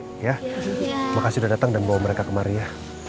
terima kasih udah datang dan bawa mereka kemari ya